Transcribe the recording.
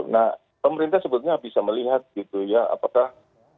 nah pemerintah sebetulnya bisa melihat gitu ya apakah